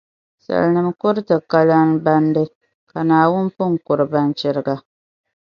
Salinima kuriti kalana bandi, ka Naawuni pun kuri banchiriga.